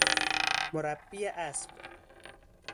مربی اسب